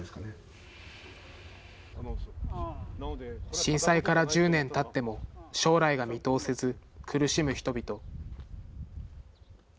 震災から１０年たっても、将来が見通せず、苦しむ人々。